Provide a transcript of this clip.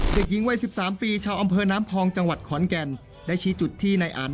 เด็กหญิงวัย๑๓ปีชาวอำเภอน้ำพองจังหวัดขอนแก่นได้ชี้จุดที่นายอัน